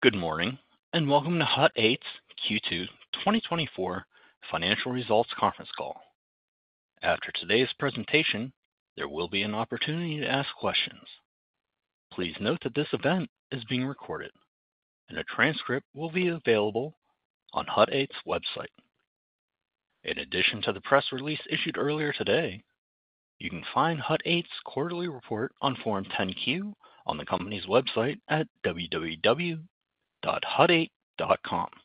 Good morning, and welcome to Hut 8's Q2 2024 Financial Results Conference Call. After today's presentation, there will be an opportunity to ask questions. Please note that this event is being recorded, and a transcript will be available on Hut 8's website. In addition to the press release issued earlier today, you can find Hut 8's quarterly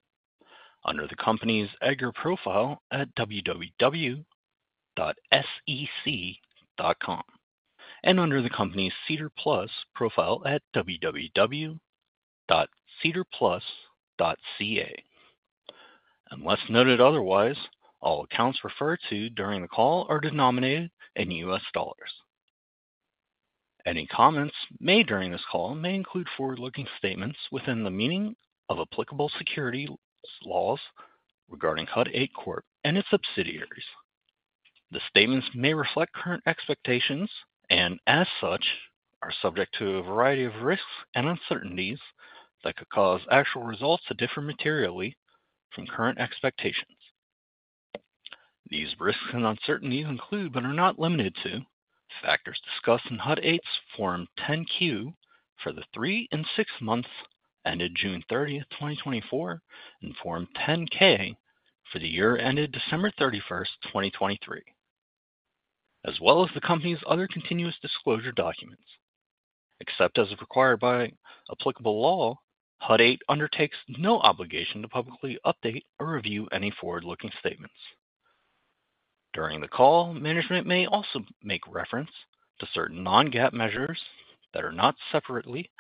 report on Form 10-Q on the company's website at www.hut8.com, under the company's EDGAR profile at www.sec.gov, and under the company's SEDAR+ profile at www.sedarplus.ca. Unless noted otherwise, all accounts referred to during the call are denominated in US dollars. Any comments made during this call may include forward-looking statements within the meaning of applicable securities laws regarding Hut 8 Corp. and its subsidiaries. The statements may reflect current expectations and as such, are subject to a variety of risks and uncertainties that could cause actual results to differ materially from current expectations. These risks and uncertainties include, but are not limited to, factors discussed in Hut 8's Form 10-Q for the 3 and 6 months ended June 30, 2024, and Form 10-K for the year ended December 31, 2023, as well as the company's other continuous disclosure documents. Except as required by applicable law, Hut 8 undertakes no obligation to publicly update or review any forward-looking statements. During the call, management may also make reference to certain non-GAAP measures that are not separately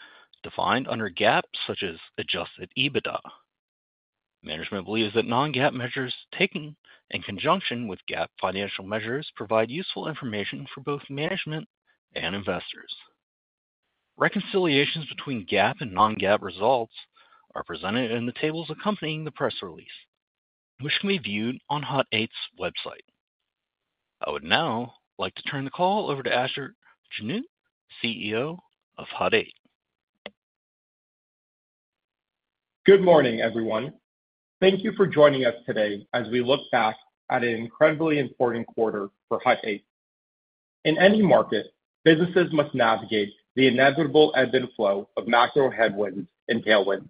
defined under GAAP, such as adjusted EBITDA. Management believes that non-GAAP measures, taken in conjunction with GAAP financial measures, provide useful information for both management and investors. Reconciliations between GAAP and non-GAAP results are presented in the tables accompanying the press release, which can be viewed on Hut 8's website. I would now like to turn the call over to Asher Genoot, CEO of Hut 8. Good morning, everyone. Thank you for joining us today as we look back at an incredibly important quarter for Hut 8. In any market, businesses must navigate the inevitable ebb and flow of macro headwinds and tailwinds.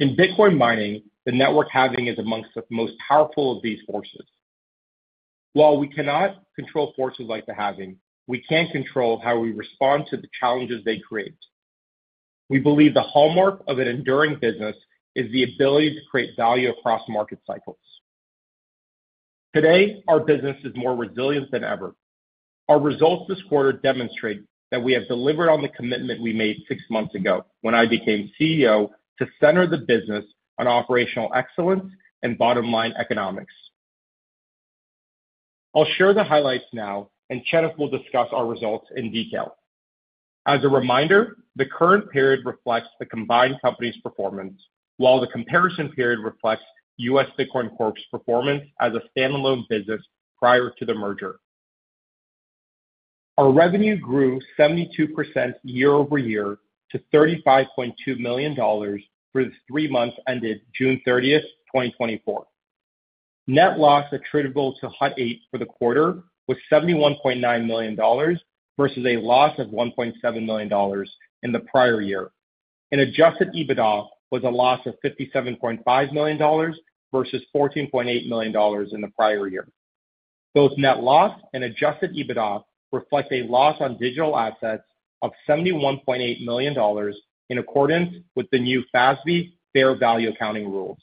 In Bitcoin mining, the network halving is among the most powerful of these forces. While we cannot control forces like the halving, we can control how we respond to the challenges they create. We believe the hallmark of an enduring business is the ability to create value across market cycles. Today, our business is more resilient than ever. Our results this quarter demonstrate that we have delivered on the commitment we made six months ago when I became CEO, to center the business on operational excellence and bottom-line economics. I'll share the highlights now, and Shenif will discuss our results in detail. As a reminder, the current period reflects the combined company's performance, while the comparison period reflects US Bitcoin Corp's performance as a standalone business prior to the merger. Our revenue grew 72% year-over-year to $35.2 million for the three months ended June 30, 2024. Net loss attributable to Hut 8 for the quarter was $71.9 million versus a loss of $1.7 million in the prior year. Adjusted EBITDA was a loss of $57.5 million versus $14.8 million in the prior year. Both net loss and Adjusted EBITDA reflect a loss on digital assets of $71.8 million, in accordance with the new FASB fair value accounting rules.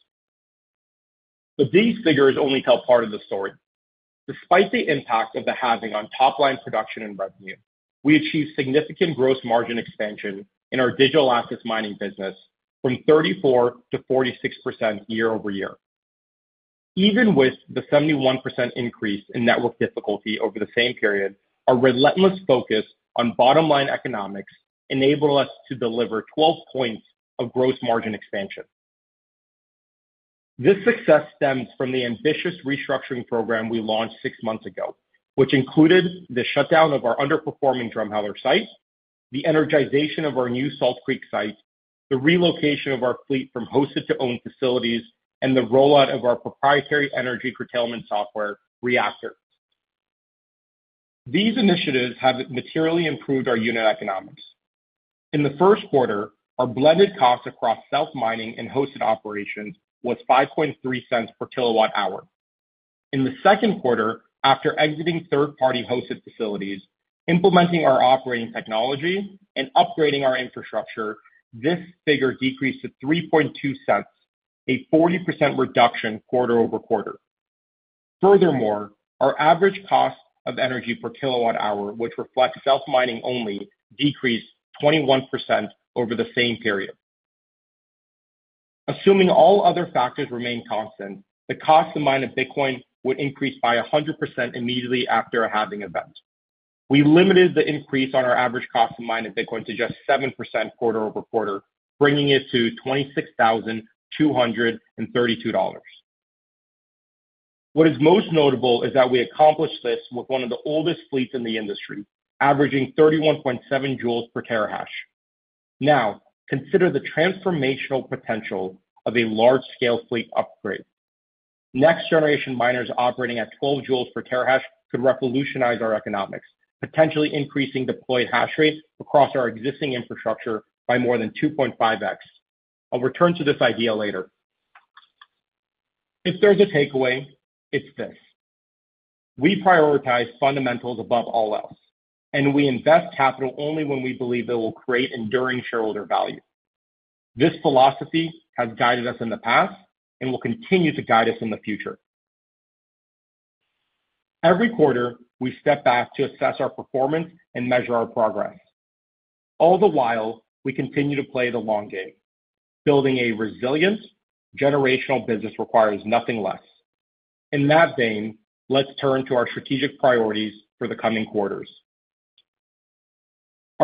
These figures only tell part of the story. Despite the impact of the halving on top-line production and revenue, we achieved significant gross margin expansion in our digital assets mining business from 34%-46% year-over-year. Even with the 71% increase in network difficulty over the same period, our relentless focus on bottom-line economics enabled us to deliver 12 points of gross margin expansion. This success stems from the ambitious restructuring program we launched six months ago, which included the shutdown of our underperforming Drumheller site, the energization of our new Salt Creek site, the relocation of our fleet from hosted to owned facilities, and the rollout of our proprietary energy curtailment software, Reactor. These initiatives have materially improved our unit economics. In the first quarter, our blended cost across self-mining and hosted operations was $0.053 per kWh. In the second quarter, after exiting third-party hosted facilities, implementing our operating technology, and upgrading our infrastructure, this figure decreased to $0.032, a 40% reduction quarter-over-quarter. Furthermore, our average cost of energy per kilowatt hour, which reflects self-mining only, decreased 21% over the same period. Assuming all other factors remain constant, the cost to mine a Bitcoin would increase by 100% immediately after a halving event. We limited the increase on our average cost to mine a Bitcoin to just 7% quarter-over-quarter, bringing it to $26,232.... What is most notable is that we accomplished this with one of the oldest fleets in the industry, averaging 31.7 joules per terahash. Now, consider the transformational potential of a large-scale fleet upgrade. Next-generation miners operating at 12 joules per terahash could revolutionize our economics, potentially increasing deployed hash rates across our existing infrastructure by more than 2.5x. I'll return to this idea later. If there's a takeaway, it's this: we prioritize fundamentals above all else, and we invest capital only when we believe it will create enduring shareholder value. This philosophy has guided us in the past and will continue to guide us in the future. Every quarter, we step back to assess our performance and measure our progress. All the while, we continue to play the long game. Building a resilient generational business requires nothing less. In that vein, let's turn to our strategic priorities for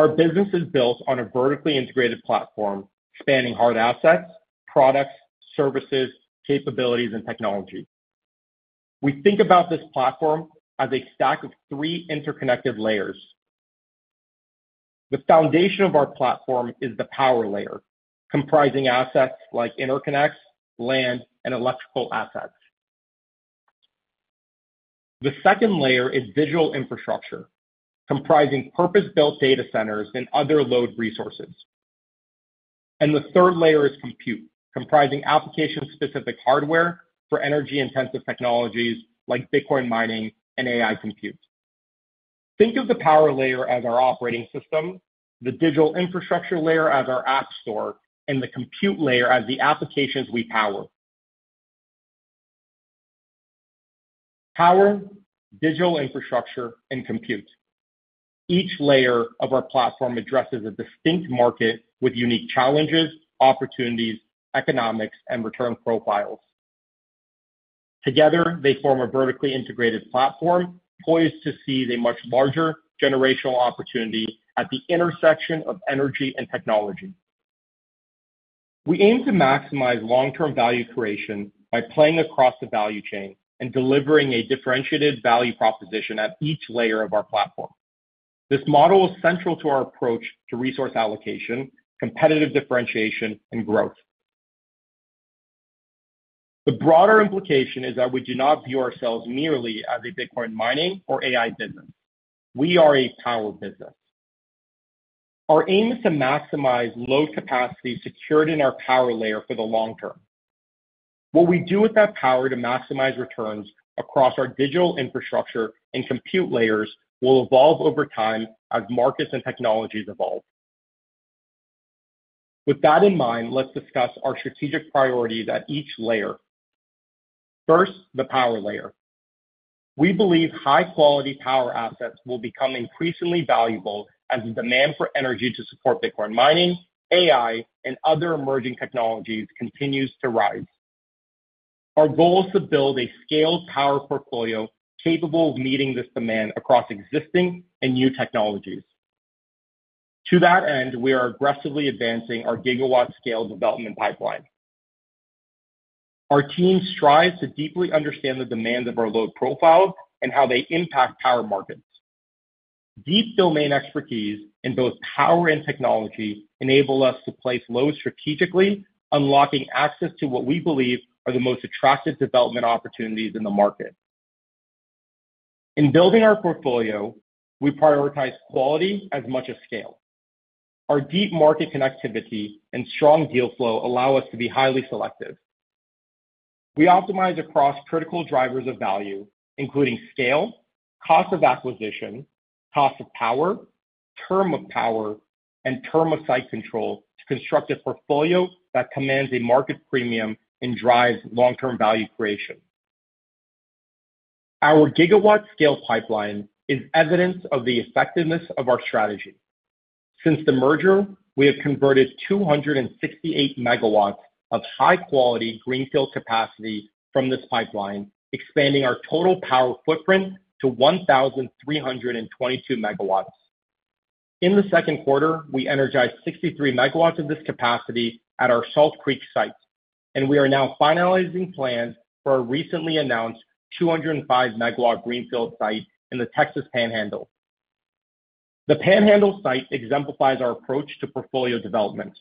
the coming quarters. Our business is built on a vertically integrated platform spanning hard assets, products, services, capabilities, and technology. We think about this platform as a stack of three interconnected layers. The foundation of our platform is the power layer, comprising assets like interconnects, land, and electrical assets. The second layer is digital infrastructure, comprising purpose-built data centers and other load resources. The third layer is compute, comprising application-specific hardware for energy-intensive technologies like Bitcoin mining and AI compute. Think of the power layer as our operating system, the digital infrastructure layer as our app store, and the compute layer as the applications we power. Power, digital infrastructure, and compute. Each layer of our platform addresses a distinct market with unique challenges, opportunities, economics, and return profiles. Together, they form a vertically integrated platform, poised to seize a much larger generational opportunity at the intersection of energy and technology. We aim to maximize long-term value creation by playing across the value chain and delivering a differentiated value proposition at each layer of our platform. This model is central to our approach to resource allocation, competitive differentiation, and growth. The broader implication is that we do not view ourselves merely as a Bitcoin mining or AI business. We are a power business. Our aim is to maximize load capacity secured in our power layer for the long term. What we do with that power to maximize returns across our digital infrastructure and compute layers will evolve over time as markets and technologies evolve. With that in mind, let's discuss our strategic priorities at each layer. First, the power layer. We believe high-quality power assets will become increasingly valuable as the demand for energy to support Bitcoin mining, AI, and other emerging technologies continues to rise. Our goal is to build a scaled power portfolio capable of meeting this demand across existing and new technologies. To that end, we are aggressively advancing our gigawatt scale development pipeline. Our team strives to deeply understand the demands of our load profiles and how they impact power markets. Deep domain expertise in both power and technology enable us to place loads strategically, unlocking access to what we believe are the most attractive development opportunities in the market. In building our portfolio, we prioritize quality as much as scale. Our deep market connectivity and strong deal flow allow us to be highly selective. We optimize across critical drivers of value, including scale, cost of acquisition, cost of power, term of power, and term of site control, to construct a portfolio that commands a market premium and drives long-term value creation. Our gigawatt scale pipeline is evidence of the effectiveness of our strategy. Since the merger, we have converted 268 MW of high-quality greenfield capacity from this pipeline, expanding our total power footprint to 1,322 MW. In the second quarter, we energized 63 MW of this capacity at our Salt Creek site, and we are now finalizing plans for our recently announced 205-MW greenfield site in the Texas Panhandle. The Panhandle site exemplifies our approach to portfolio development.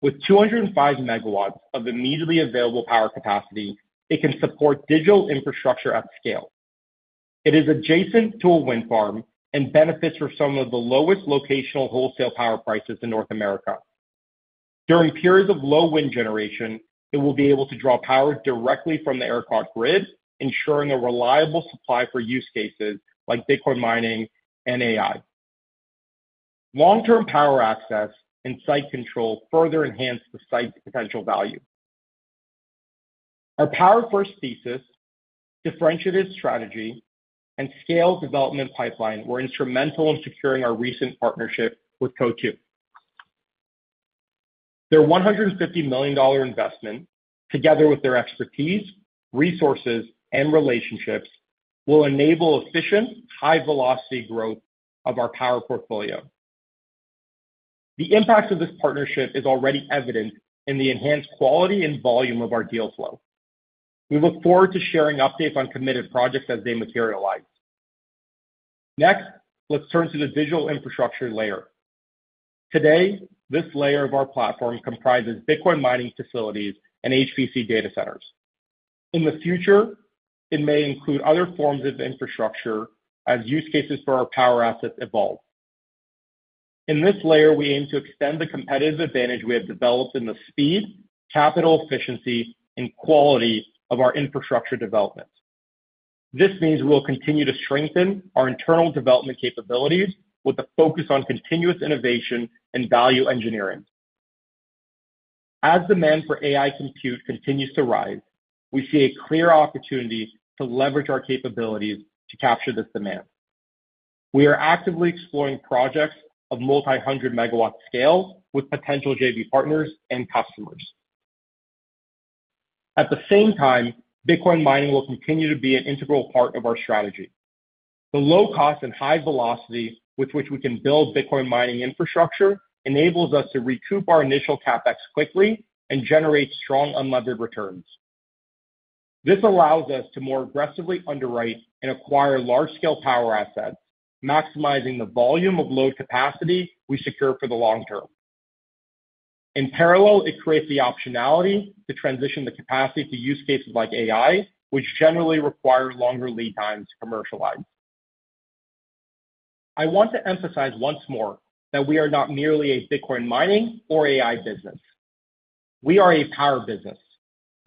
With 205 MW of immediately available power capacity, it can support digital infrastructure at scale. It is adjacent to a wind farm and benefits from some of the lowest locational wholesale power prices in North America. During periods of low wind generation, it will be able to draw power directly from the ERCOT grid, ensuring a reliable supply for use cases like Bitcoin mining and AI. Long-term power access and site control further enhance the site's potential value. Our power-first thesis, differentiated strategy, and scale development pipeline were instrumental in securing our recent partnership with Coatue. Their $150 million investment, together with their expertise, resources, and relationships, will enable efficient, high-velocity growth of our power portfolio.... The impact of this partnership is already evident in the enhanced quality and volume of our deal flow. We look forward to sharing updates on committed projects as they materialize. Next, let's turn to the digital infrastructure layer. Today, this layer of our platform comprises Bitcoin mining facilities and HPC data centers. In the future, it may include other forms of infrastructure as use cases for our power assets evolve. In this layer, we aim to extend the competitive advantage we have developed in the speed, capital efficiency, and quality of our infrastructure developments. This means we'll continue to strengthen our internal development capabilities with a focus on continuous innovation and value engineering. As demand for AI compute continues to rise, we see a clear opportunity to leverage our capabilities to capture this demand. We are actively exploring projects of multi-hundred megawatt scale with potential JV partners and customers. At the same time, Bitcoin mining will continue to be an integral part of our strategy. The low cost and high velocity with which we can build Bitcoin mining infrastructure enables us to recoup our initial CapEx quickly and generate strong unlevered returns. This allows us to more aggressively underwrite and acquire large-scale power assets, maximizing the volume of load capacity we secure for the long term. In parallel, it creates the optionality to transition the capacity to use cases like AI, which generally require longer lead times to commercialize. I want to emphasize once more that we are not merely a Bitcoin mining or AI business. We are a power business,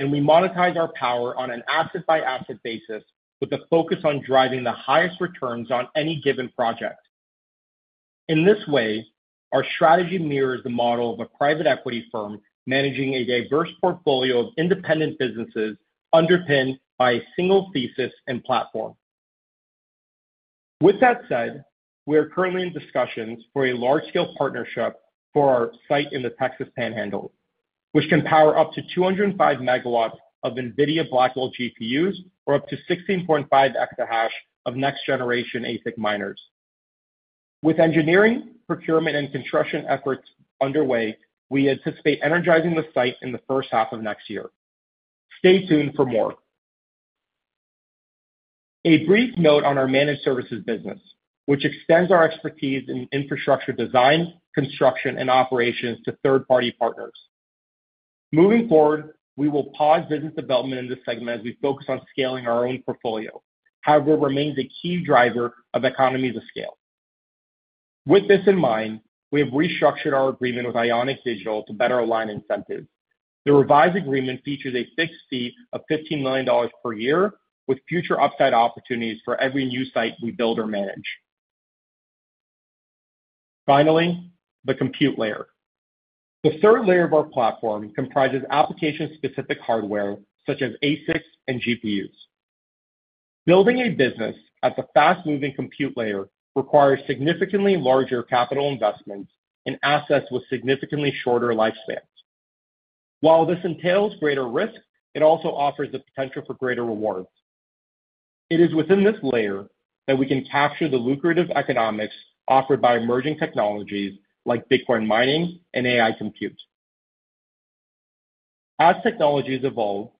and we monetize our power on an asset-by-asset basis, with a focus on driving the highest returns on any given project. In this way, our strategy mirrors the model of a private equity firm managing a diverse portfolio of independent businesses, underpinned by a single thesis and platform. With that said, we are currently in discussions for a large-scale partnership for our site in the Texas Panhandle, which can power up to 205 MW of NVIDIA Blackwell GPUs or up to 16.5 exahash of next-generation ASIC miners. With engineering, procurement, and construction efforts underway, we anticipate energizing the site in the first half of next year. Stay tuned for more. A brief note on our managed services business, which extends our expertise in infrastructure design, construction, and operations to third-party partners. Moving forward, we will pause business development in this segment as we focus on scaling our own portfolio. However, it remains a key driver of economies of scale. With this in mind, we have restructured our agreement with Ionic Digital to better align incentives. The revised agreement features a fixed fee of $15 million per year, with future upside opportunities for every new site we build or manage. Finally, the compute layer. The third layer of our platform comprises application-specific hardware, such as ASICs and GPUs. Building a business at the fast-moving compute layer requires significantly larger capital investments and assets with significantly shorter lifespans. While this entails greater risk, it also offers the potential for greater rewards. It is within this layer that we can capture the lucrative economics offered by emerging technologies like Bitcoin mining and AI compute. As technologies evolve,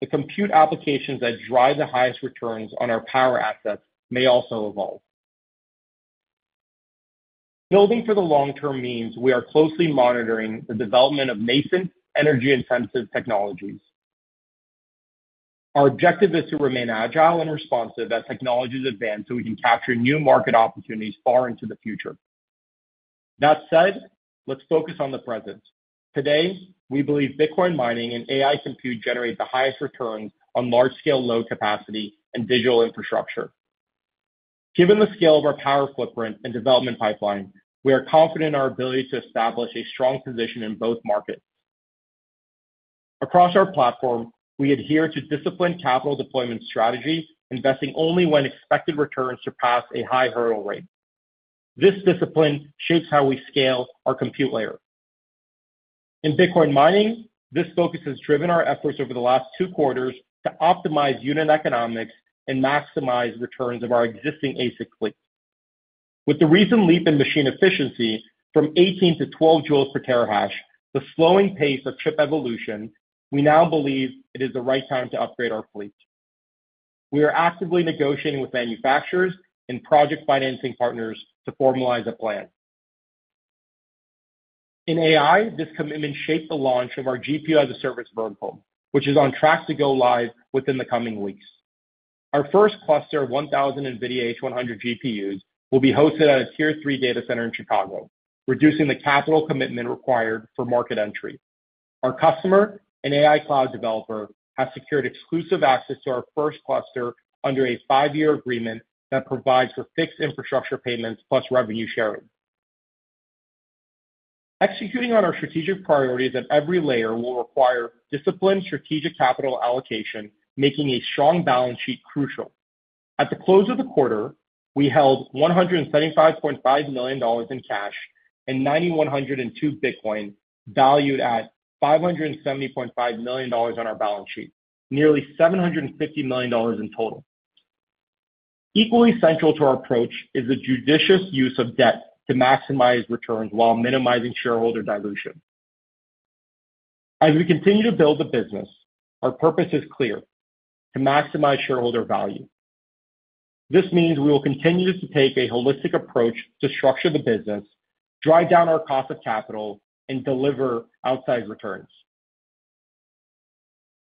the compute applications that drive the highest returns on our power assets may also evolve. Building for the long term means we are closely monitoring the development of nascent energy-intensive technologies. Our objective is to remain agile and responsive as technologies advance so we can capture new market opportunities far into the future. That said, let's focus on the present. Today, we believe Bitcoin mining and AI compute generate the highest returns on large-scale load capacity and digital infrastructure. Given the scale of our power footprint and development pipeline, we are confident in our ability to establish a strong position in both markets. Across our platform, we adhere to disciplined capital deployment strategies, investing only when expected returns surpass a high hurdle rate. This discipline shapes how we scale our compute layer. In Bitcoin mining, this focus has driven our efforts over the last two quarters to optimize unit economics and maximize returns of our existing ASIC fleet. With the recent leap in machine efficiency from 18 to 12 joules per terahash, the slowing pace of chip evolution, we now believe it is the right time to upgrade our fleet. We are actively negotiating with manufacturers and project financing partners to formalize a plan. In AI, this commitment shaped the launch of our GPU-as-a-service vertical, which is on track to go live within the coming weeks. Our first cluster of 1,000 NVIDIA H100 GPUs will be hosted at a Tier 3 data center in Chicago, reducing the capital commitment required for market entry. Our customer and AI cloud developer has secured exclusive access to our first cluster under a 5-year agreement that provides for fixed infrastructure payments plus revenue sharing. Executing on our strategic priorities at every layer will require disciplined strategic capital allocation, making a strong balance sheet crucial. At the close of the quarter, we held $175.5 million in cash and 9,102 Bitcoin, valued at $570.5 million on our balance sheet, nearly $750 million in total.... Equally, central to our approach is the judicious use of debt to maximize returns while minimizing shareholder dilution. As we continue to build the business, our purpose is clear: to maximize shareholder value. This means we will continue to take a holistic approach to structure the business, drive down our cost of capital, and deliver outsized returns.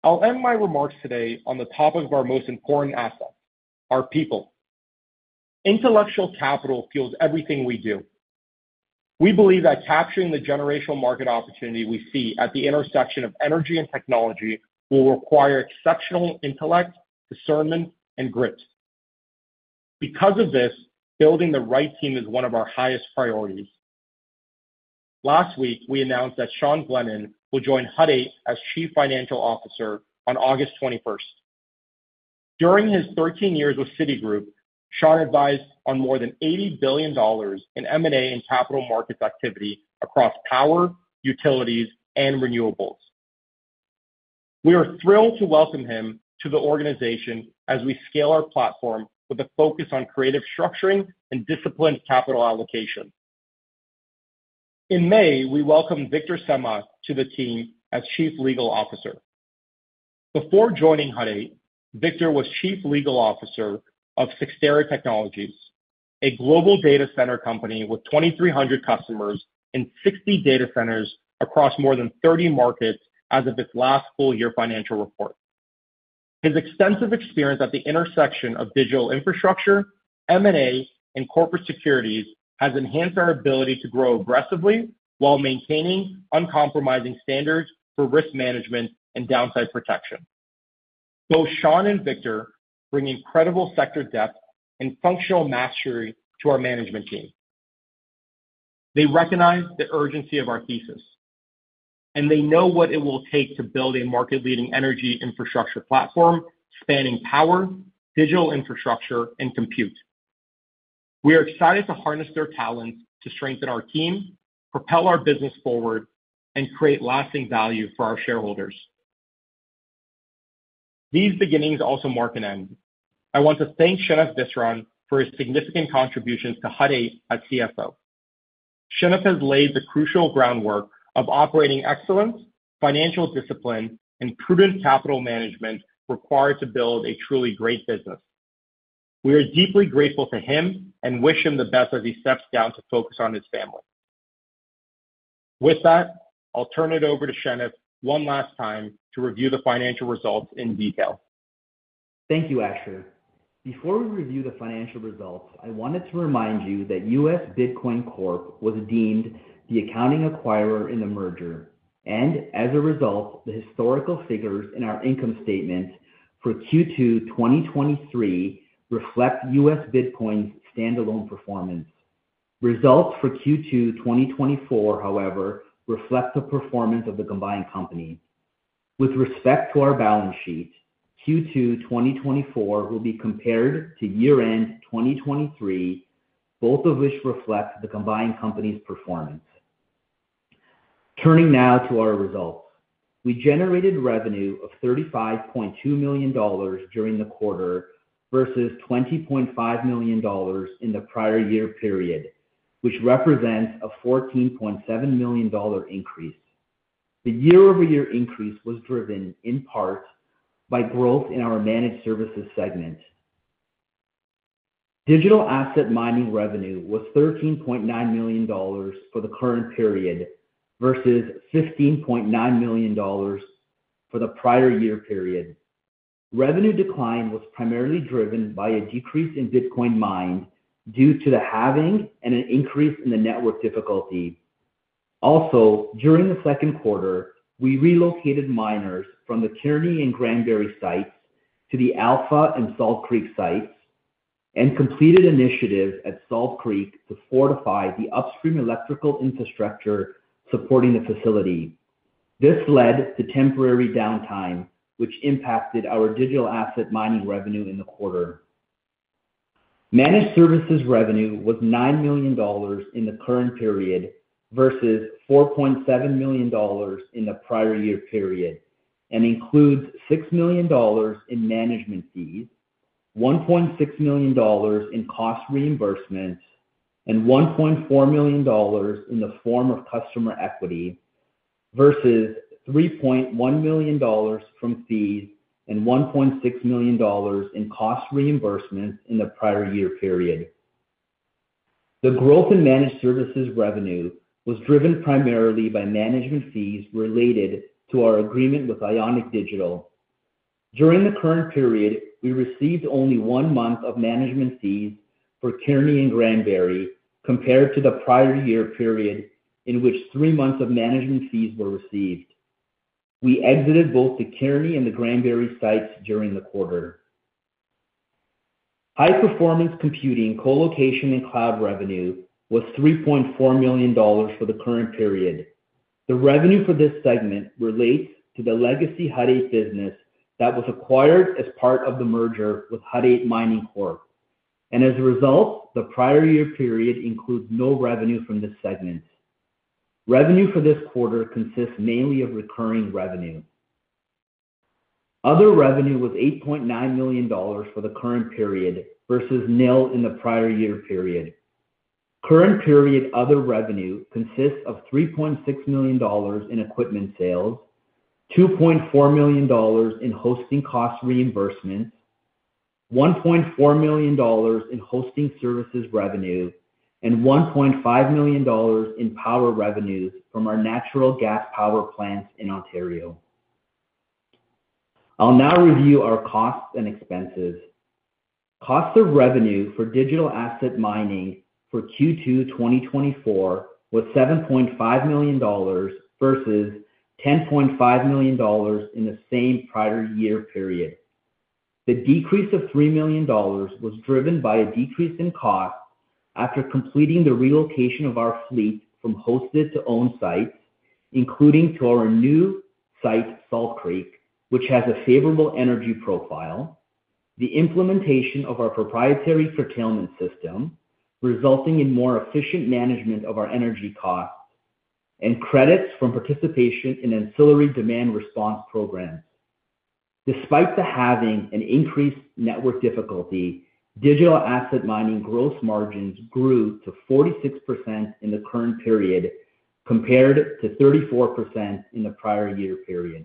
I'll end my remarks today on the topic of our most important asset, our people. Intellectual capital fuels everything we do. We believe that capturing the generational market opportunity we see at the intersection of energy and technology will require exceptional intellect, discernment, and grit. Because of this, building the right team is one of our highest priorities. Last week, we announced that Sean Glennon will join Hut 8 as Chief Financial Officer on August 21st. During his 13 years with Citigroup, Sean advised on more than $80 billion in M&A and capital markets activity across power, utilities, and renewables. We are thrilled to welcome him to the organization as we scale our platform with a focus on creative structuring and disciplined capital allocation. In May, we welcomed Victor Semah to the team as Chief Legal Officer. Before joining Hut 8, Victor was Chief Legal Officer of Cyxtera Technologies, a global data center company with 2,300 customers and 60 data centers across more than 30 markets as of its last full year financial report. His extensive experience at the intersection of digital infrastructure, M&A, and corporate securities has enhanced our ability to grow aggressively while maintaining uncompromising standards for risk management and downside protection. Both Sean and Victor bring incredible sector depth and functional mastery to our management team. They recognize the urgency of our thesis, and they know what it will take to build a market-leading energy infrastructure platform spanning power, digital infrastructure, and compute. We are excited to harness their talents to strengthen our team, propel our business forward, and create lasting value for our shareholders. These beginnings also mark an end. I want to thank Shenif Visram for his significant contributions to Hut 8 as CFO. Shenif has laid the crucial groundwork of operating excellence, financial discipline, and prudent capital management required to build a truly great business. We are deeply grateful to him and wish him the best as he steps down to focus on his family. With that, I'll turn it over to Shenif one last time to review the financial results in detail. Thank you, Asher. Before we review the financial results, I wanted to remind you that US Bitcoin Corp was deemed the accounting acquirer in the merger, and as a result, the historical figures in our income statement for Q2 2023 reflect US Bitcoin's standalone performance. Results for Q2 2024, however, reflect the performance of the combined company. With respect to our balance sheet, Q2 2024 will be compared to year-end 2023, both of which reflect the combined company's performance. Turning now to our results. We generated revenue of $35.2 million during the quarter versus $20.5 million in the prior year period, which represents a $14.7 million increase. The year-over-year increase was driven in part by growth in our managed services segment. Digital asset mining revenue was $13.9 million for the current period versus $15.9 million for the prior year period. Revenue decline was primarily driven by a decrease in Bitcoin mined due to the halving and an increase in the network difficulty. Also, during the second quarter, we relocated miners from the Kearney and Granbury sites to the Alpha and Salt Creek sites and completed initiatives at Salt Creek to fortify the upstream electrical infrastructure supporting the facility. This led to temporary downtime, which impacted our digital asset mining revenue in the quarter. Managed services revenue was $9 million in the current period versus $4.7 million in the prior year period, and includes $6 million in management fees, $1.6 million in cost reimbursements, and $1.4 million in the form of customer equity, versus $3.1 million from fees and $1.6 million in cost reimbursement in the prior year period. The growth in managed services revenue was driven primarily by management fees related to our agreement with Ionic Digital. During the current period, we received only one month of management fees for Kearney and Granbury, compared to the prior year period, in which three months of management fees were received. We exited both the Kearney and the Granbury sites during the quarter. High-performance computing, colocation, and cloud revenue was $3.4 million for the current period. The revenue for this segment relates to the legacy Hut 8 business that was acquired as part of the merger with Hut 8 Mining Corp. As a result, the prior year period includes no revenue from this segment. Revenue for this quarter consists mainly of recurring revenue. Other revenue was $8.9 million for the current period versus nil in the prior year period. Current period other revenue consists of $3.6 million in equipment sales, $2.4 million in hosting cost reimbursements, $1.4 million in hosting services revenue, and $1.5 million in power revenues from our natural gas power plants in Ontario. I'll now review our costs and expenses. Cost of revenue for digital asset mining for Q2 2024 was $7.5 million versus $10.5 million in the same prior year period. The decrease of $3 million was driven by a decrease in cost after completing the relocation of our fleet from hosted to owned sites, including to our new site, Salt Creek, which has a favorable energy profile, the implementation of our proprietary curtailment system, resulting in more efficient management of our energy costs, and credits from participation in ancillary demand response programs. Despite having an increased network difficulty, digital asset mining gross margins grew to 46% in the current period, compared to 34% in the prior year period.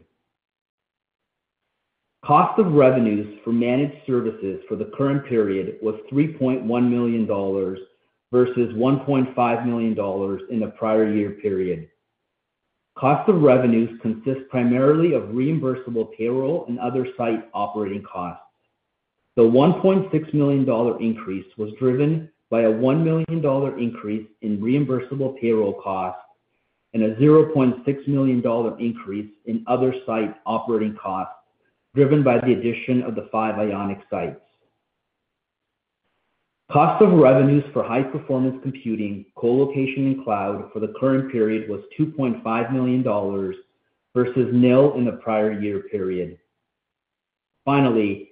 Cost of revenues for managed services for the current period was $3.1 million versus $1.5 million in the prior year period. Cost of revenues consist primarily of reimbursable payroll and other site operating costs. The $1.6 million increase was driven by a $1 million increase in reimbursable payroll costs and a $0.6 million increase in other site operating costs, driven by the addition of the five Ionic sites. Cost of revenues for high performance computing, colocation, and cloud for the current period was $2.5 million versus nil in the prior year period. Finally,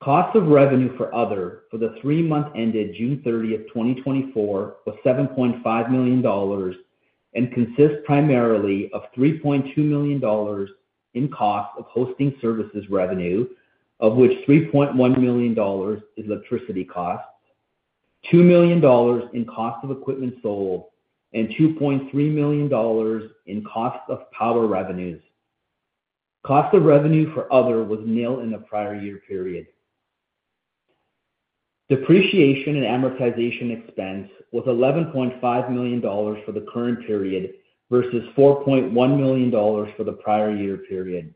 cost of revenue for other for the three months ended June thirtieth, 2024, was $7.5 million and consists primarily of $3.2 million in cost of hosting services revenue, of which $3.1 million is electricity costs, $2 million in cost of equipment sold, and $2.3 million in cost of power revenues. Cost of revenue for other was nil in the prior year period. Depreciation and amortization expense was $11.5 million for the current period versus $4.1 million for the prior year period.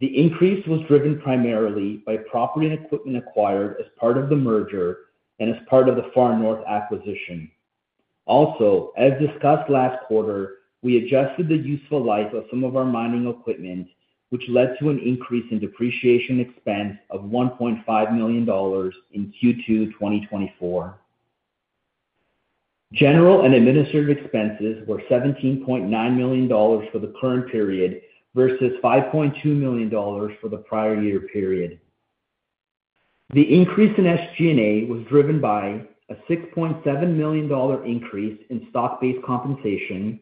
The increase was driven primarily by property and equipment acquired as part of the merger and as part of the Far North acquisition. Also, as discussed last quarter, we adjusted the useful life of some of our mining equipment, which led to an increase in depreciation expense of $1.5 million in Q2 2024. General and administrative expenses were $17.9 million for the current period versus $5.2 million for the prior year period. The increase in SG&A was driven by a $6.7 million increase in stock-based compensation,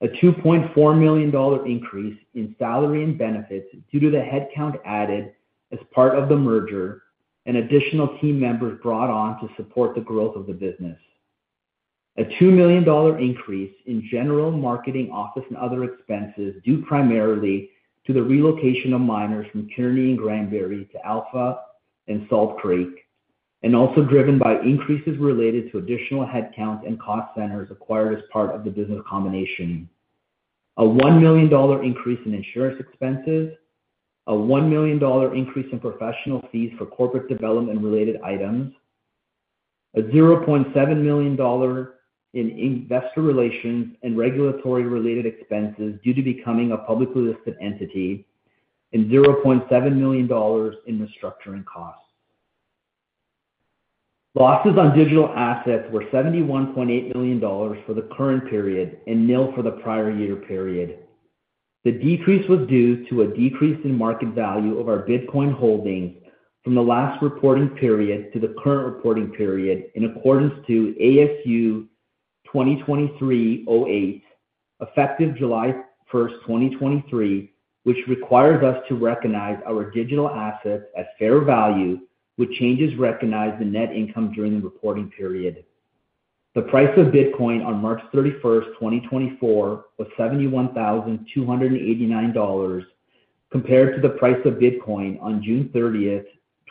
a $2.4 million increase in salary and benefits due to the headcount added as part of the merger, and additional team members brought on to support the growth of the business. A $2 million increase in general, marketing, office and other expenses, due primarily to the relocation of miners from Kearney and Granbury to Alpha and Salt Creek, and also driven by increases related to additional headcount and cost centers acquired as part of the business combination. A $1 million increase in insurance expenses, a $1 million increase in professional fees for corporate development-related items, a $0.7 million in investor relations and regulatory-related expenses due to becoming a publicly listed entity, and $0.7 million in restructuring costs. Losses on digital assets were $71.8 million for the current period and nil for the prior year period. The decrease was due to a decrease in market value of our Bitcoin holdings from the last reporting period to the current reporting period, in accordance to ASU 2023-08, effective July 1, 2023, which requires us to recognize our digital assets at fair value, with changes recognized in net income during the reporting period. The price of Bitcoin on March 31, 2024, was $71,289, compared to the price of Bitcoin on June 30,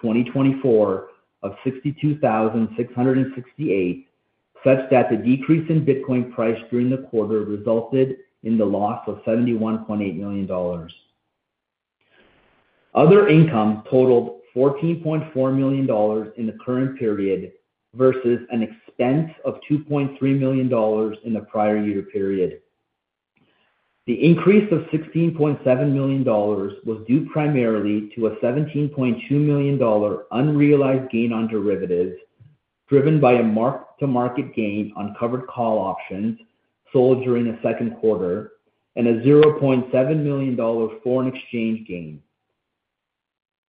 2024, of $62,668, such that the decrease in Bitcoin price during the quarter resulted in the loss of $71.8 million. Other income totaled $14.4 million in the current period versus an expense of $2.3 million in the prior year period. The increase of $16.7 million was due primarily to a $17.2 million unrealized gain on derivatives, driven by a mark-to-market gain on covered call options sold during the second quarter and a $0.7 million foreign exchange gain,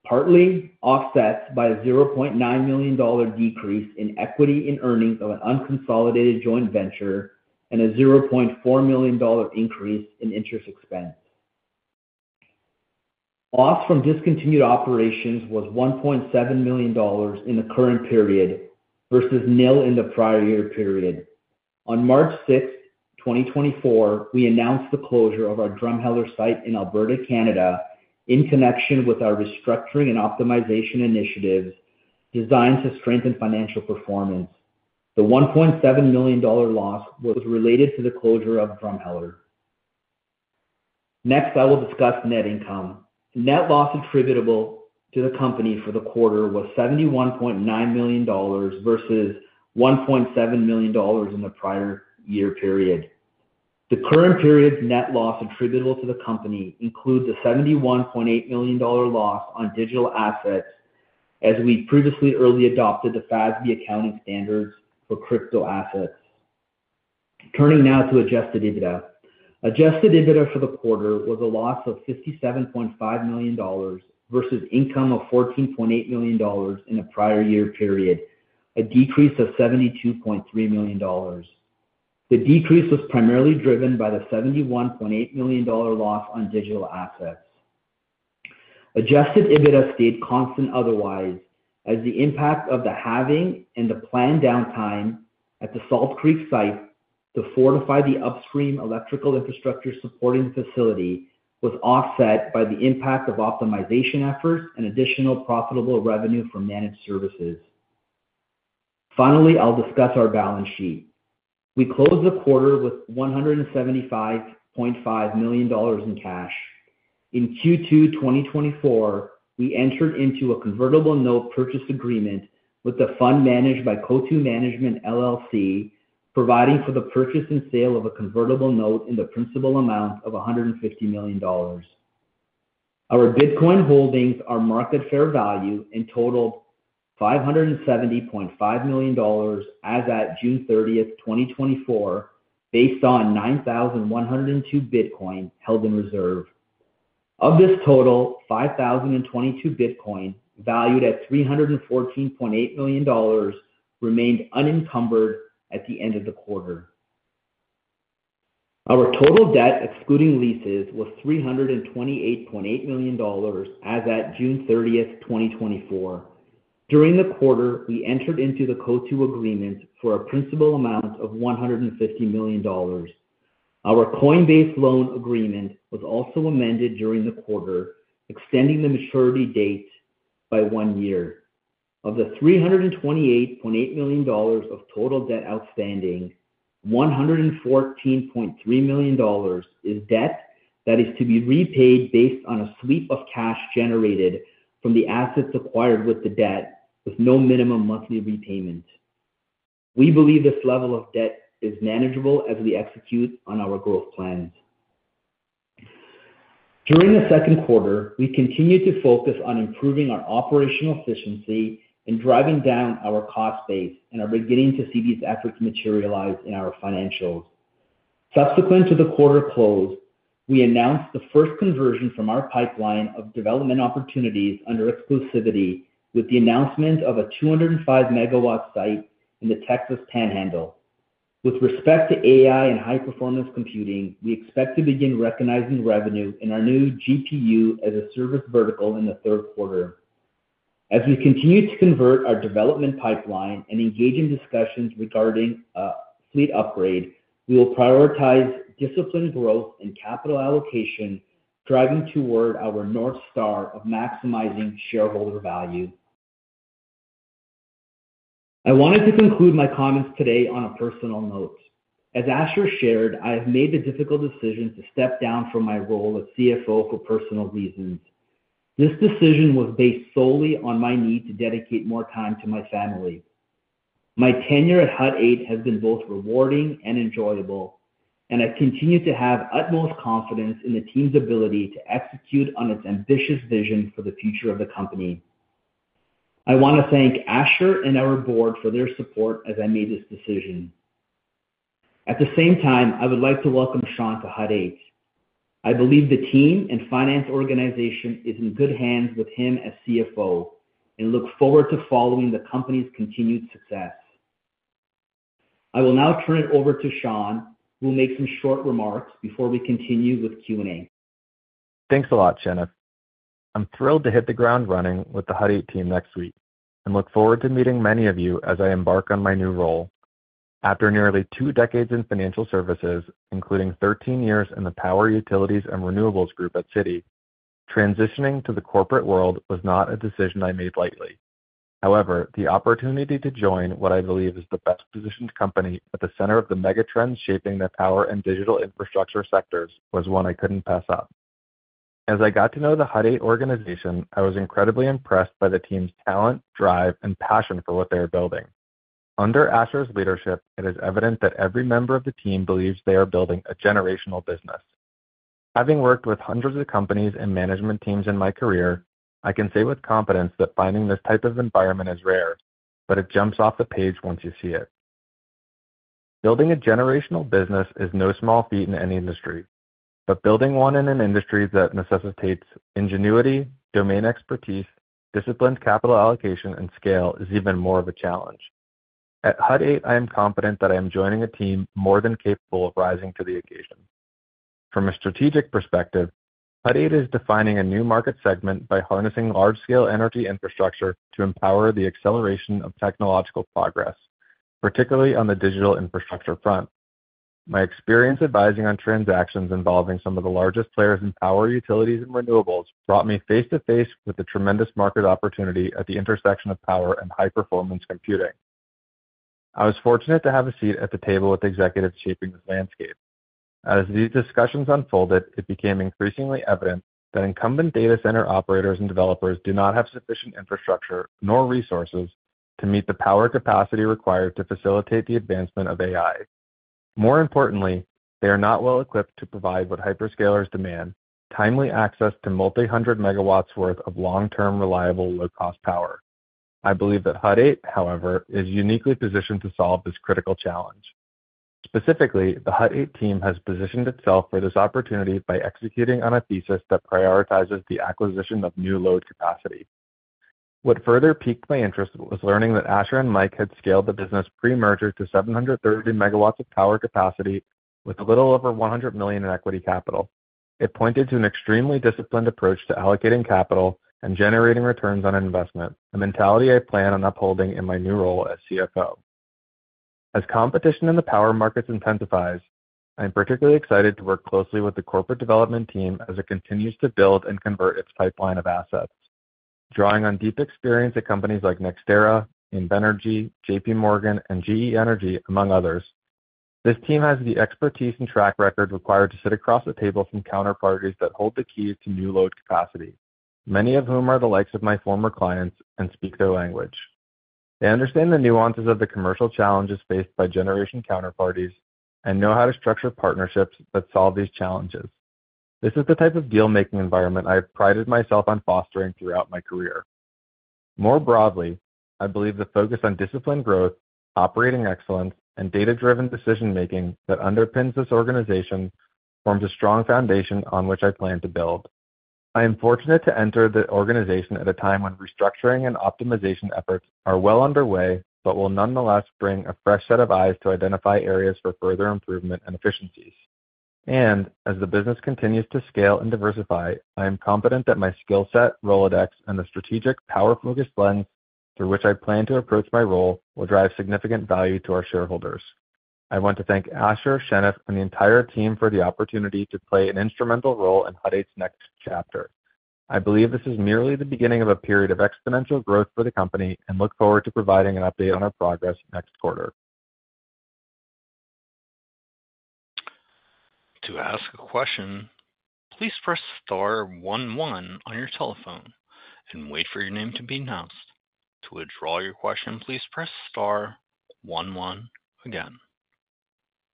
partly offset by a $0.9 million decrease in equity in earnings of an unconsolidated joint venture and a $0.4 million increase in interest expense. Loss from discontinued operations was $1.7 million in the current period versus nil in the prior year period. On March 6, 2024, we announced the closure of our Drumheller site in Alberta, Canada, in connection with our restructuring and optimization initiatives designed to strengthen financial performance. The $1.7 million loss was related to the closure of Drumheller. Next, I will discuss net income. Net loss attributable to the company for the quarter was $71.9 million versus $1.7 million in the prior year period. The current period's net loss attributable to the company includes a $71.8 million loss on digital assets, as we previously early adopted the FASB accounting standards for crypto assets. Turning now to Adjusted EBITDA. Adjusted EBITDA for the quarter was a loss of $57.5 million versus income of $14.8 million in the prior year period, a decrease of $72.3 million. The decrease was primarily driven by the $71.8 million loss on digital assets. Adjusted EBITDA stayed constant otherwise, as the impact of the halving and the planned downtime at the Salt Creek site to fortify the upstream electrical infrastructure supporting facility was offset by the impact of optimization efforts and additional profitable revenue from managed services. Finally, I'll discuss our balance sheet. We closed the quarter with $175.5 million in cash. In Q2 2024, we entered into a convertible note purchase agreement with the fund managed by Coatue Management LLC, providing for the purchase and sale of a convertible note in the principal amount of $150 million. Our Bitcoin holdings are market fair value and totaled $570.5 million as at June 30, 2024, based on 9,102 Bitcoin held in reserve. Of this total, 5,022 Bitcoin, valued at $314.8 million, remained unencumbered at the end of the quarter. Our total debt, excluding leases, was $328.8 million as at June 30, 2024. During the quarter, we entered into the Coatue agreement for a principal amount of $150 million. Our Coinbase loan agreement was also amended during the quarter, extending the maturity date by one year. Of the $328.8 million of total debt outstanding, $114.3 million is debt that is to be repaid based on a sweep of cash generated from the assets acquired with the debt, with no minimum monthly repayment. We believe this level of debt is manageable as we execute on our growth plans. During the second quarter, we continued to focus on improving our operational efficiency and driving down our cost base, and are beginning to see these efforts materialize in our financials. Subsequent to the quarter close, we announced the first conversion from our pipeline of development opportunities under exclusivity with the announcement of a 205-megawatt site in the Texas Panhandle. With respect to AI and high-performance computing, we expect to begin recognizing revenue in our new GPU as a service vertical in the third quarter. As we continue to convert our development pipeline and engage in discussions regarding a fleet upgrade, we will prioritize disciplined growth and capital allocation, driving toward our North Star of maximizing shareholder value. I wanted to conclude my comments today on a personal note. As Asher shared, I have made the difficult decision to step down from my role as CFO for personal reasons. This decision was based solely on my need to dedicate more time to my family. My tenure at Hut 8 has been both rewarding and enjoyable, and I continue to have utmost confidence in the team's ability to execute on its ambitious vision for the future of the company. I want to thank Asher and our board for their support as I made this decision. At the same time, I would like to welcome Sean to Hut 8. I believe the team and finance organization is in good hands with him as CFO, and look forward to following the company's continued success. I will now turn it over to Sean, who will make some short remarks before we continue with Q&A. Thanks a lot, Shenif. I'm thrilled to hit the ground running with the Hut 8 team next week and look forward to meeting many of you as I embark on my new role. After nearly two decades in financial services, including 13 years in the Power, Utilities, and Renewables group at Citi, transitioning to the corporate world was not a decision I made lightly. However, the opportunity to join what I believe is the best-positioned company at the center of the mega trend shaping the power and digital infrastructure sectors, was one I couldn't pass up. As I got to know the Hut 8 organization, I was incredibly impressed by the team's talent, drive and passion for what they are building. Under Asher's leadership, it is evident that every member of the team believes they are building a generational business. Having worked with hundreds of companies and management teams in my career, I can say with confidence that finding this type of environment is rare, but it jumps off the page once you see it.... Building a generational business is no small feat in any industry, but building one in an industry that necessitates ingenuity, domain expertise, disciplined capital allocation, and scale is even more of a challenge. At Hut 8, I am confident that I am joining a team more than capable of rising to the occasion. From a strategic perspective, Hut 8 is defining a new market segment by harnessing large-scale energy infrastructure to empower the acceleration of technological progress, particularly on the digital infrastructure front. My experience advising on transactions involving some of the largest players in power utilities and renewables brought me face to face with the tremendous market opportunity at the intersection of power and high-performance computing. I was fortunate to have a seat at the table with executives shaping this landscape. As these discussions unfolded, it became increasingly evident that incumbent data center operators and developers do not have sufficient infrastructure nor resources to meet the power capacity required to facilitate the advancement of AI. More importantly, they are not well equipped to provide what hyperscalers demand: timely access to multi-hundred megawatts worth of long-term, reliable, low-cost power. I believe that Hut 8, however, is uniquely positioned to solve this critical challenge. Specifically, the Hut 8 team has positioned itself for this opportunity by executing on a thesis that prioritizes the acquisition of new load capacity. What further piqued my interest was learning that Asher and Mike had scaled the business pre-merger to 730 megawatts of power capacity with a little over $100 million in equity capital. It pointed to an extremely disciplined approach to allocating capital and generating returns on investment, a mentality I plan on upholding in my new role as CFO. As competition in the power markets intensifies, I am particularly excited to work closely with the corporate development team as it continues to build and convert its pipeline of assets. Drawing on deep experience at companies like NextEra, Invenergy, JP Morgan, and GE Energy, among others, this team has the expertise and track record required to sit across the table from counterparties that hold the keys to new load capacity, many of whom are the likes of my former clients and speak their language. They understand the nuances of the commercial challenges faced by generation counterparties and know how to structure partnerships that solve these challenges. This is the type of deal-making environment I have prided myself on fostering throughout my career. More broadly, I believe the focus on disciplined growth, operating excellence, and data-driven decision-making that underpins this organization forms a strong foundation on which I plan to build. I am fortunate to enter the organization at a time when restructuring and optimization efforts are well underway but will nonetheless bring a fresh set of eyes to identify areas for further improvement and efficiencies. As the business continues to scale and diversify, I am confident that my skill set, Rolodex, and the strategic power-focused lens through which I plan to approach my role will drive significant value to our shareholders. I want to thank Asher, Shenif, and the entire team for the opportunity to play an instrumental role in Hut 8's next chapter. I believe this is merely the beginning of a period of exponential growth for the company and look forward to providing an update on our progress next quarter. To ask a question, please press star one one on your telephone and wait for your name to be announced. To withdraw your question, please press star one one again.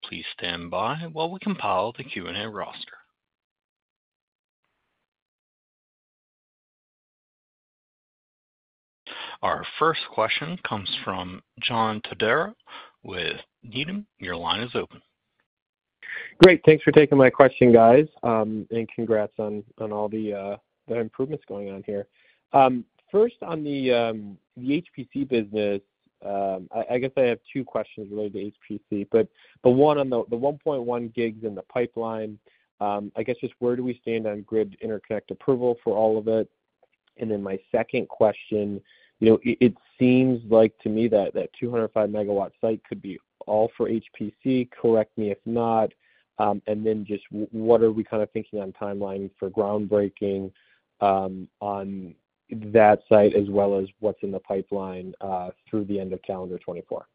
Please stand by while we compile the Q&A roster. Our first question comes from John Todaro with Needham. Your line is open. Great. Thanks for taking my question, guys, and congrats on all the improvements going on here. First, on the HPC business, I have two questions related to HPC, but one on the 1.1 GW in the pipeline. Where do we stand on grid interconnect approval for all of it? My second question it seems like to me that that 205-megawatt site could be all for HPC, correct me if not. What are we thinking on timeline for groundbreaking, on that site, as well as what's in the pipeline, through the end of calendar 2024?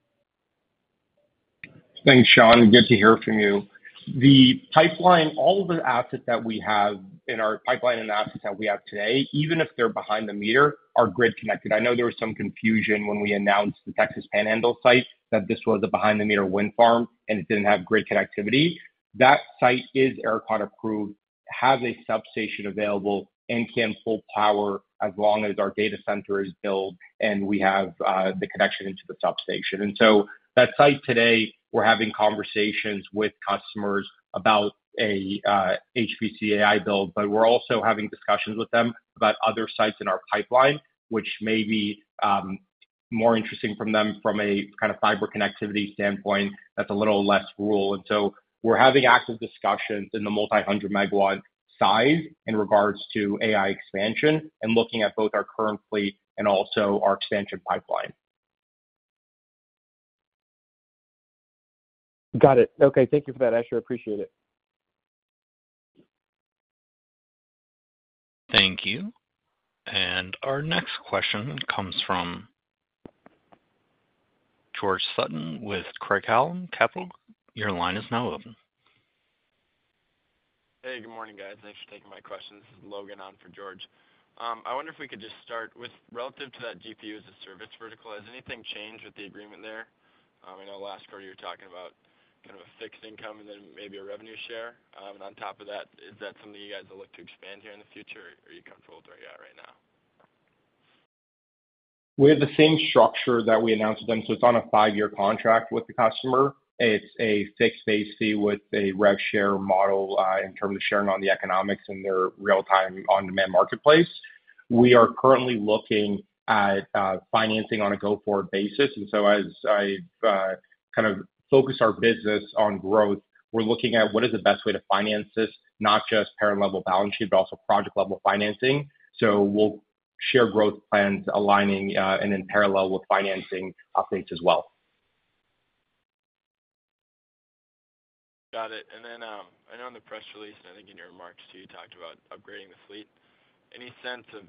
Thanks, John. Good to hear from you. The pipeline-- all the assets that we have in our pipeline and the assets that we have today, even if they're behind the meter, are grid connected. I know there was some confusion when we announced the Texas Panhandle site, that this was a behind-the-meter wind farm, and it didn't have grid connectivity. That site is ERCOT approved, has a substation available, and can pull power as long as our data center is built and we have the connection into the substation. That site today, we're having conversations with customers about a HPC AI build, but we're also having discussions with them about other sites in our pipeline, which may be more interesting from them from a fiber connectivity standpoint that's a little less rural. We're having active discussions in the multi-hundred megawatt size in regards to AI expansion and looking at both our current fleet and also our expansion pipeline. Got it. Okay. Thank you for that, Asher. I appreciate it. Thank you. Our next question comes from George Sutton with Craig-Hallum Capital. Your line is now open. Hey, good morning, guys. Thanks for taking my questions. This is Logan on for George. I wonder if we could just start with relative to that GPU-as-a-service vertical, has anything changed with the agreement there? I know last quarter you were talking about a fixed income and then maybe a revenue share. On top of that, is that something you guys will look to expand here in the future, or are you comfortable where you're at right now?... We have the same structure that we announced then, so it's on a five-year contract with the customer. It's a fixed AC with a rev share model, in terms of sharing on the economics in their real-time, on-demand marketplace. We are currently looking at financing on a go-forward basis, and so as I focus our business on growth, we're looking at what is the best way to finance this, not just parent-level balance sheet, but also project-level financing. We'll share growth plans aligning, and in parallel with financing updates as well. Got it. I know on the press release, and I think in your remarks too, you talked about upgrading the fleet. Any sense of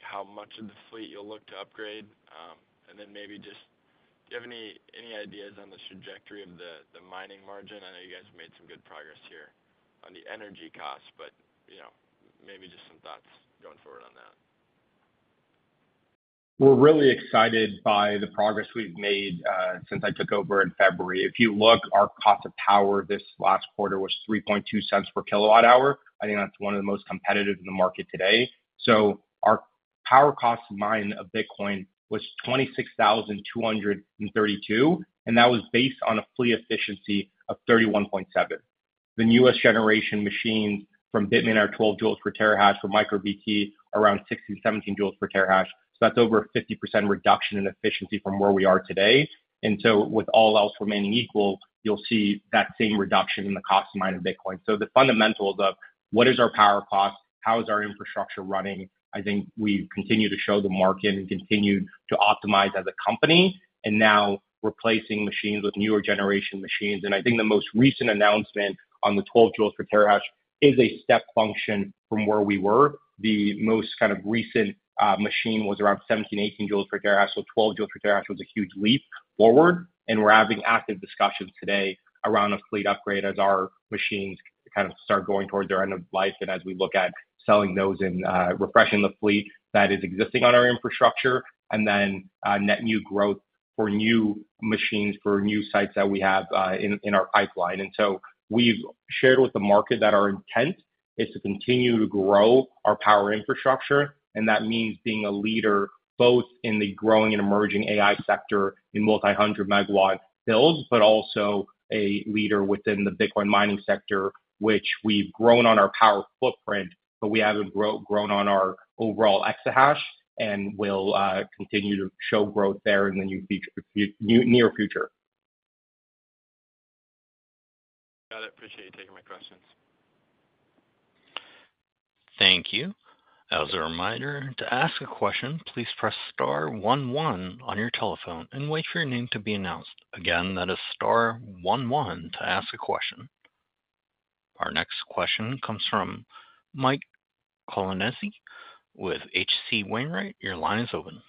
how much of the fleet you'll look to upgrade? Maybe just, do you have any, any ideas on the trajectory of the, the mining margin? I know you guys have made some good progress here on the energy costs, but maybe just some thoughts going forward on that. We're really excited by the progress we've made since I took over in February. If you look, our cost of power this last quarter was $0.032/kWh. I think that's one of the most competitive in the market today. Our power cost of mining of Bitcoin was $26,232, and that was based on a fleet efficiency of 31.7. The newest generation machines from Bitmain are 12 joules per terahash, from MicroBT, around 16, 17 joules per terahash. That's over a 50% reduction in efficiency from where we are today. With all else remaining equal, you'll see that same reduction in the cost to mine of Bitcoin. The fundamentals of what is our power cost, how is our infrastructure running, I think we continue to show the market and continue to optimize as a company, and now replacing machines with newer generation machines. I think the most recent announcement on the 12 J/TH is a step function from where we were. The most recent machine was around 17-18 J/TH, so 12 J/TH was a huge leap forward, and we're having active discussions today around a fleet upgrade as our machines start going toward their end of life, and as we look at selling those and refreshing the fleet that is existing on our infrastructure, and then net new growth for new machines, for new sites that we have in our pipeline. We've shared with the market that our intent is to continue to grow our power infrastructure, and that means being a leader both in the growing and emerging AI sector in multi-hundred megawatt builds, but also a leader within the Bitcoin mining sector, which we've grown on our power footprint, but we haven't grown on our overall exahash, and we'll continue to show growth there in the near future. Got it. Appreciate you taking my questions. Thank you. As a reminder, to ask a question, please press star one one on your telephone and wait for your name to be announced. Again, that is star one one to ask a question. Our next question comes from Mike Colonnese with H.C. Wainwright. Your line is open.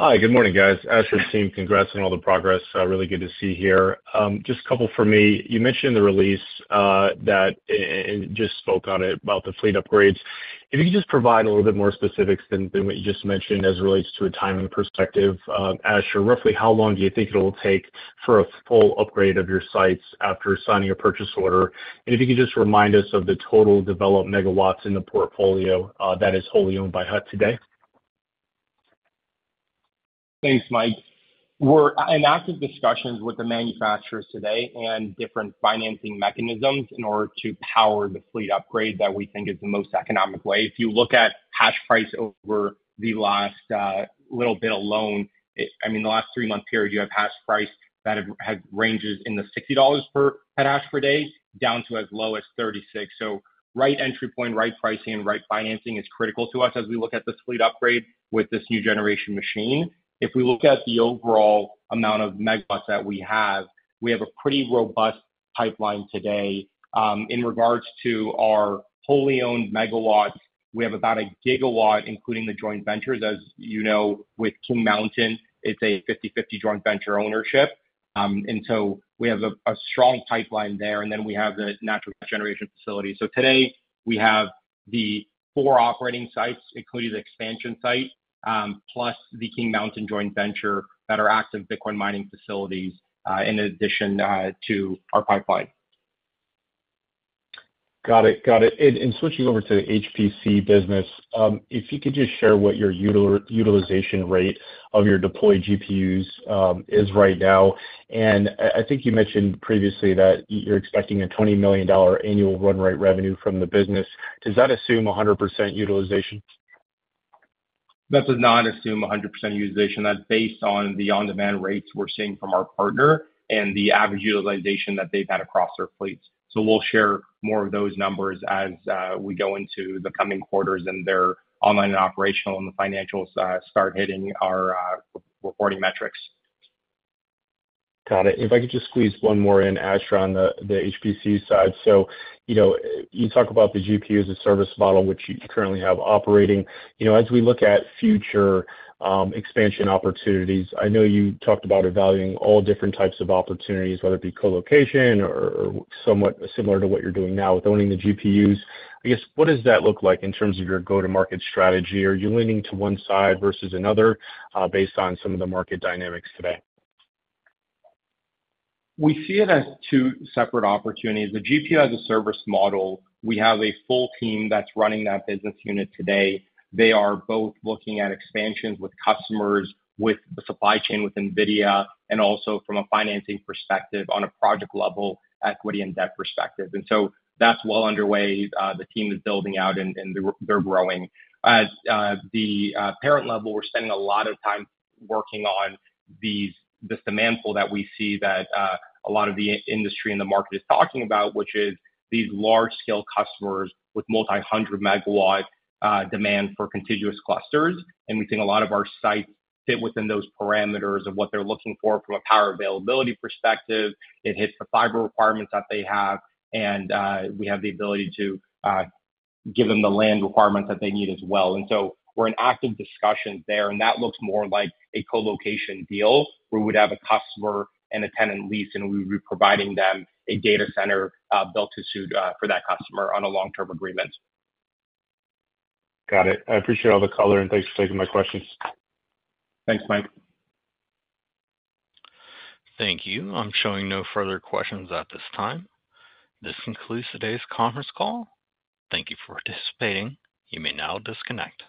Hi, good morning, guys. Asher's team, congrats on all the progress. Really good to see you here. Just a couple for me. You mentioned in the release, that, and just spoke on it, about the fleet upgrades. If you could just provide a little bit more specifics than what you just mentioned as it relates to a timing perspective, Asher, roughly how long do you think it'll take for a full upgrade of your sites after signing a purchase order? If you could just remind us of the total developed megawatts in the portfolio, that is wholly owned by Hut today. Thanks, Mike. We're in active discussions with the manufacturers today and different financing mechanisms in order to power the fleet upgrade that we think is the most economic way. If you look at hash price over the last little bit alone, it. I mean, the last three-month period, you have hash price that have, has ranges in the $60 per hash per day, down to as low as $36. Right entry point, right pricing, and right financing is critical to us as we look at this fleet upgrade with this new generation machine. If we look at the overall amount of megawatts that we have, we have a pretty robust pipeline today. In regards to our wholly owned megawatts, we have about 1 gigawatt, including the joint ventures. As you know, with King Mountain, it's a 50/50 joint venture ownership. We have a strong pipeline there, and then we have the natural generation facility. Today, we have the four operating sites, including the expansion site, plus the King Mountain Joint Venture, that are active Bitcoin mining facilities, in addition to our pipeline. Got it. Got it. Switching over to the HPC business, if you could just share what your utilization rate of your deployed GPUs is right now. I think you mentioned previously that you're expecting a $20 million annual run-rate revenue from the business. Does that assume 100% utilization? That does not assume 100% utilization. That's based on the on-demand rates we're seeing from our partner and the average utilization that they've had across their fleets. We'll share more of those numbers as we go into the coming quarters, and they're online and operational, and the financials start hitting our reporting metrics. Got it. If I could just squeeze one more in, Asher, on the HPC side. You talk about the GPU as a service model, which you currently have operating. As we look at future expansion opportunities, I know you talked about evaluating all different types of opportunities, whether it be colocation or somewhat similar to what you're doing now with owning the GPUs. What does that look like in terms of your go-to-market strategy? Are you leaning to one side versus another based on some of the market dynamics today? We see it as two separate opportunities. The GPU as a service model, we have a full team that's running that business unit today. They are both looking at expansions with customers, with the supply chain, with NVIDIA, and also from a financing perspective, on a project level, equity and debt perspective. That's well underway. The team is building out, and they're growing. As the parent level, we're spending a lot of time working on this demand pool that we see that a lot of the industry in the market is talking about, which is these large-scale customers with multi-hundred megawatt demand for contiguous clusters. We think a lot of our sites fit within those parameters of what they're looking for from a power availability perspective. It hits the fiber requirements that they have, and we have the ability to give them the land requirements that they need as well. We're in active discussions there, and that looks more like a colocation deal, where we'd have a customer and a tenant lease, and we would be providing them a data center, built to suit, for that customer on a long-term agreement. Got it. I appreciate all the color, and thanks for taking my questions. Thanks, Mike. Thank you. I'm showing no further questions at this time. This concludes today's conference call. Thank you for participating. You may now disconnect.